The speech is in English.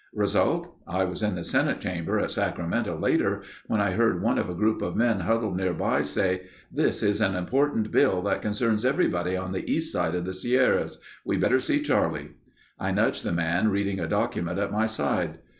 Result? I was in the Senate Chamber at Sacramento later, when I heard one of a group of men huddled nearby say, "This is an important bill that concerns everybody on the east side of the Sierras. We'd better see Charlie." I nudged the man reading a document at my side.